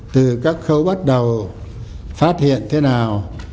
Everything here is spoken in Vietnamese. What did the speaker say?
từ các khâu bắt đầu phát hiện thế nào